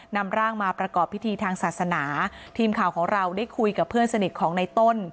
นำร่างมาประกอบพิธีทางศาสนาทีมข่าวของเราได้คุยกับเพื่อนสนิทของในต้น